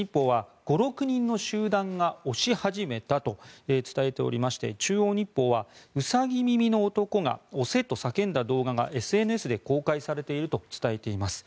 朝鮮日報は５６人の集団が押し始めたと伝えていまして中央日報はウサギ耳の男が押せと叫んだ動画がＳＮＳで公開されていると伝えています。